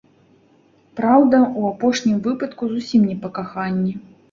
Праўда, у апошнім выпадку зусім не па каханні.